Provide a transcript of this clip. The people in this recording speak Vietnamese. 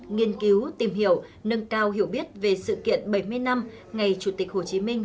nghiên cứu tìm hiểu nâng cao hiểu biết về sự kiện bảy mươi năm ngày chủ tịch hồ chí minh